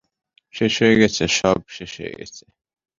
শেষ হয়ে গেছে, সব শেষ হয়ে গেছে।